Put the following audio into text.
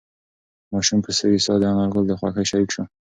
ماشوم په سوې ساه د انارګل د خوښۍ شریک شو.